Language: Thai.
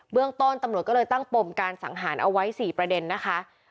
เรื่องต้นตำรวจก็เลยตั้งปมการสังหารเอาไว้๔ประเด็นนะคะ